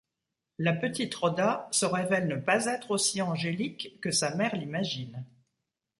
La petite Rhoda se révèle ne pas être aussi angélique que sa mère l'imagine.